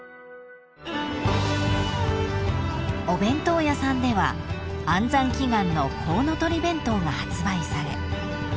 ［お弁当屋さんでは安産祈願のコウノトリ弁当が発売されさらに］